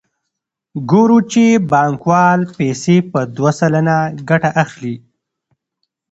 ګورو چې بانکوال پیسې په دوه سلنه ګټه اخلي